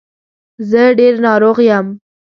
زه ډېر ناروغ یم.